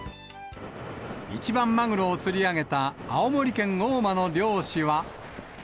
一番マグロを釣り上げた青森県大間の漁師は。